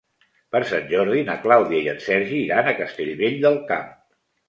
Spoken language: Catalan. Per Sant Jordi na Clàudia i en Sergi iran a Castellvell del Camp.